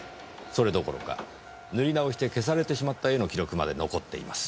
それどころか塗り直して消されてしまった絵の記録まで残っています。